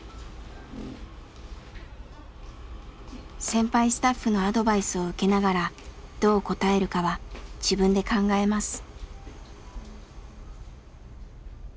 先輩スタッフのアドバイスを受けながらどう答えるかは自分で考えます。